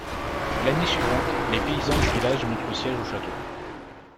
L'année suivante, les paysans du village mettent le siège au château.